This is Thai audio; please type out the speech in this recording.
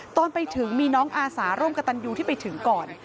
ตอนไปถึงมีน้องอาสาร่วมกับตันยูที่ไปถึงก่อน